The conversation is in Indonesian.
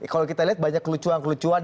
kalau kita lihat banyak kelucuan kelucuan